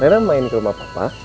rera mau main ke rumah papa